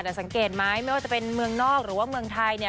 แต่สังเกตไหมไม่ว่าจะเป็นเมืองนอกหรือว่าเมืองไทยเนี่ย